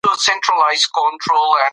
تاسي باید د جوماتونو پاکوالي ته پام وکړئ.